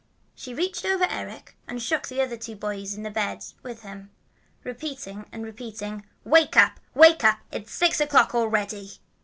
Then she reached over Eric and shook the other two boys in the bed with him, repeating and repeating "Wake up, wake up! It's six o'clock already!"